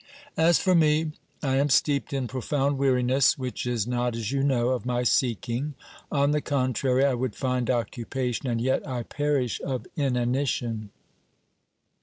As for me, I am steeped in profound weariness, which is not, as you know, of my seeking ; on the contrary, I would find occupation, and yet I perish of inanition.